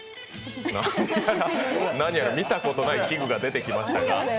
何やら見たことない器具が出てきましたが。